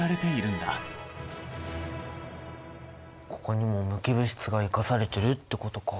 ここにも無機物質が生かされてるってことか。